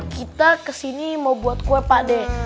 kita kesini mau buat kue pakde